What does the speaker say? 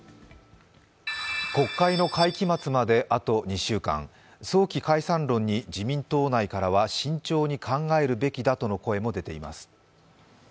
国会の会期末まであと２週間早期解散論に自民党内からは慎重に考えるべきだとの声も出ています。